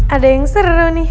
ada yang seru nih